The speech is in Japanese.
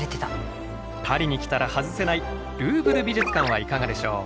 パリに来たら外せないルーブル美術館はいかがでしょう。